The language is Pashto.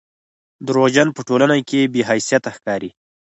درواغجن په ټولنه کښي بې حيثيته ښکاري